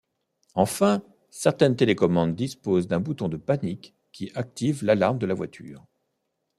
Enfin, certaines télécommandes disposent d'un bouton de panique qui active l'alarme de la voiture.